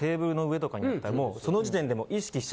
もうその時点で。